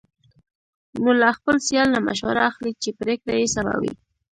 نو له خپل سیال نه مشوره اخلي، چې پرېکړه یې سمه وي.